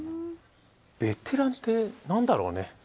ベテランってなんだろうね。